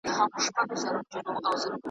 خو قوت یې وو زبېښلی څو کلونو .